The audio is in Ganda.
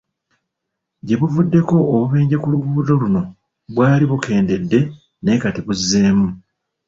Gye buvuddeko obubenje ku luguudo luno bwali bukendedde naye kati bwazzeemu.